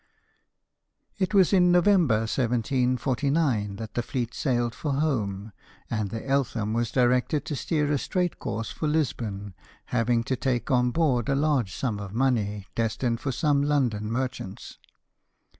It was in November 1749 that the fleet sailed for home, and the 'Eltham' was directed to steer a straight course for Lisbon, having to take on board a large sum of money, destined for some London merchants.